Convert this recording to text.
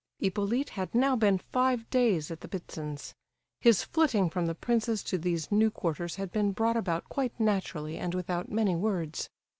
Hippolyte had now been five days at the Ptitsins'. His flitting from the prince's to these new quarters had been brought about quite naturally and without many words.